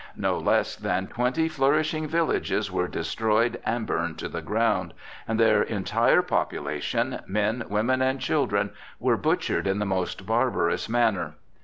No less than twenty flourishing villages were destroyed and burned to the ground, and their entire population, men, women and children, were butchered in the most barbarous manner.